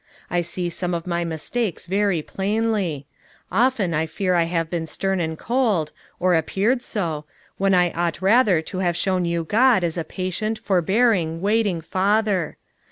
I see some of my mis takes very plainly; often I fear I have been stern and cold, or appeared so, when I ought rather to have shown you God as a patient, for bearing, waiting father.